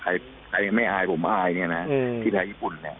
ใครไม่อายผมอายทีทางญี่ปุ่น